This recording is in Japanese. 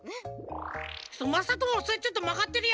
まさともそれちょっとまがってるよ。